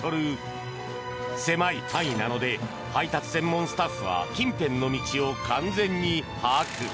狭い範囲なので配達専門スタッフは近辺の道を完全に把握。